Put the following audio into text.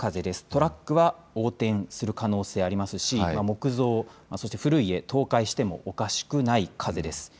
トラックは横転する可能性がありますし木造、そして古い家は倒壊してもおかしくない風です。